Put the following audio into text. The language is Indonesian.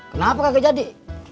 kenapa kagak jadi